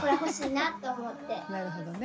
なるほどね。